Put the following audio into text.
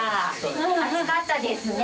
暑かったですね。